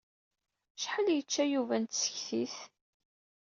Acḥal i yečča Yuba n tsektit?